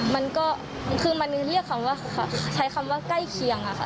มันก็คือมันเรียกคำว่าใช้คำว่าใกล้เคียงอะค่ะ